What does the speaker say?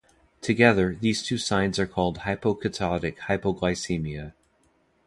Together, these two signs are called hypoketotic hypoglycemia.